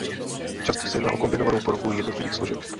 Často se jedná o kombinovanou poruchu jednotlivých složek.